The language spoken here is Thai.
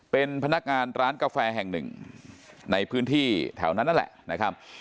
เป็นพนักงานร้านกาแฟแห่งหนึ่งในพื้นที่แถวนั้นนั่นแหละนะครับ